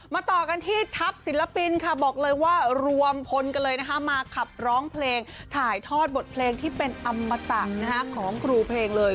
ต่อกันที่ทัพศิลปินค่ะบอกเลยว่ารวมพลกันเลยนะคะมาขับร้องเพลงถ่ายทอดบทเพลงที่เป็นอมตะของครูเพลงเลย